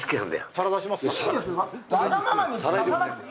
皿、出しますよ。